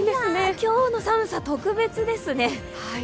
今日の寒さ、特別ですね。